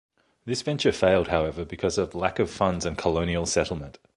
This venture failed, however, because of lack of funds and colonial settlement.